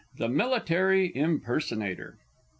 THE MILITARY IMPERSONATOR.